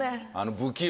不器用。